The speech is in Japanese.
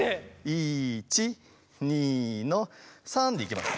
１２の３でいきます。